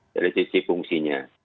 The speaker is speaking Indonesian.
dari sisi fungsinya